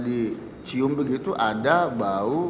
dicium begitu ada bau